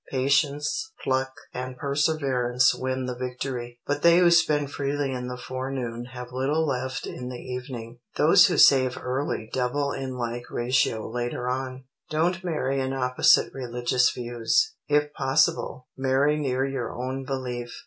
Patience, pluck, and perseverance win the victory, but they who spend freely in the forenoon have little left in the evening. Those who save early double in like ratio later on. Don't marry in opposite religious views. If possible, marry near your own belief.